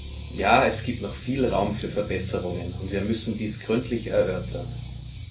Ja, es gibt noch viel Raum für Verbesserungen und wir müssen dies gründlich erörtern.